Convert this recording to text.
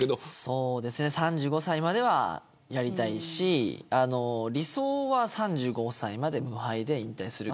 そうですね３５歳まではやりたいし理想は３５歳まで無敗で引退する。